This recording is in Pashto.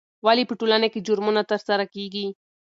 ولې په ټولنه کې جرمونه ترسره کیږي؟